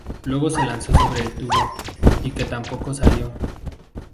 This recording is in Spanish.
Luego se lanzó sobre el tubo I que tampoco salió.